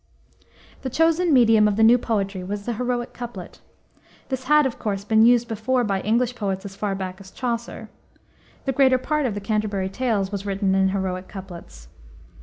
The chosen medium of the new poetry was the heroic couplet. This had, of course, been used before by English poets as far back as Chaucer. The greater part of the Canterbury Tales was written in heroic couplets.